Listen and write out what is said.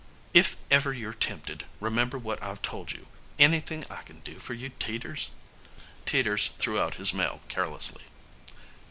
If ever you're tempted, remember what I've told you. Anything I can do for you, Teeters?" Teeters threw out his mail carelessly.